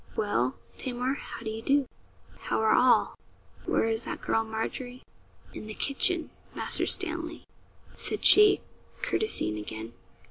'Well, Tamar, how do you do? how are all? Where is that girl Margery?' 'In the kitchen, Master Stanley,' said she, courtesying again.